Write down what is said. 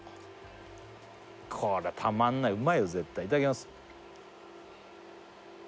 これたまんないうまいよ絶対いただきます